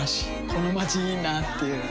このまちいいなぁっていう